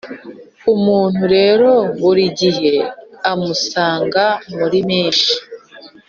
umuntu rero burigihe amusanga muri mesh